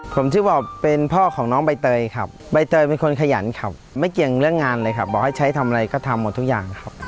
ผมชื่อบอกเป็นพ่อของน้องใบเตยครับใบเตยเป็นคนขยันครับไม่เกี่ยงเรื่องงานเลยครับบอกให้ใช้ทำอะไรก็ทำหมดทุกอย่างครับ